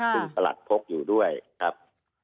ซึ่งสลัดพกอยู่ด้วยครับ